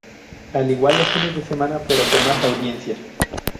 Al igual los fines de semana, pero con más audiencia.